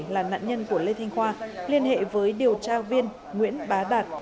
là nạn nhân của lê thanh khoa liên hệ với điều tra viên nguyễn bá đạt